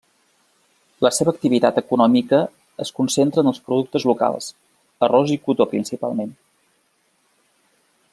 La seva activitat econòmica es concentra en els productes locals, arròs i cotó principalment.